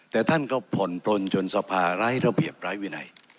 แต่ท่านก็ผ่อนปลนจนสภาร้ายระเบียบร้ายวินัย